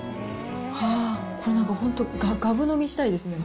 はあ、これなんか本当がぶ飲みしたいですね。